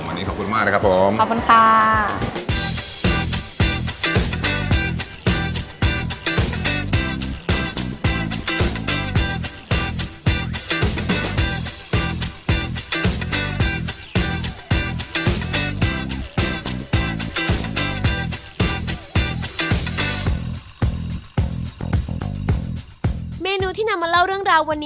วันนี้ขอบคุณมากนะครับผมขอบคุณค่ะขอบคุณค่ะ